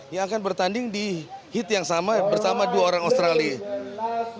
yang akan bertanding di hit yang sama bersama dua orang australia